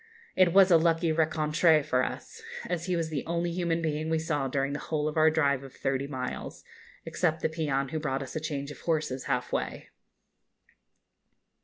It was a lucky rencontre for us, as he was the only human being we saw during the whole of our drive of thirty miles, except the peon who brought us a change of horses, half way.